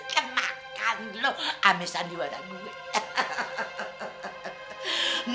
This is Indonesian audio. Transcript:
kemakan lo amesan di badan gue